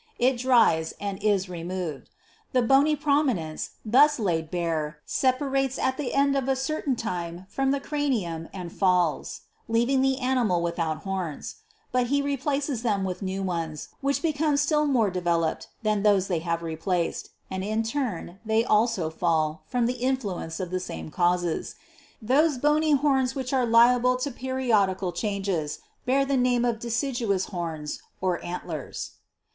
It dries, and is removed : the bony prominence, thus laid bare , separates at the end of a certain time from the cranium, and falls, leaving the animal without horns : but he replaces them with new ones, which become still more developed than those they have replaced, and in their turn they also fall, from the influence of the same causes. Those bony horns which are liable to periodical changes, bear the name of deciduous horns, (antlers.)